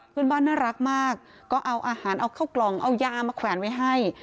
เพื่อนบ้านน่ารักมากก็เอาอาหารเอาเข้ากล่องเอายามาแขวนไว้ให้